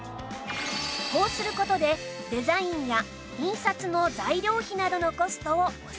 こうする事でデザインや印刷の材料費などのコストを抑えられます